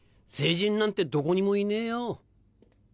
聖人なんてどこにもいねえよ。